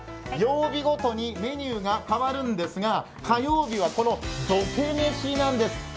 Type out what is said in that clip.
曜日ごとにメニューが変わるんですが、火曜日は、どて飯なんです。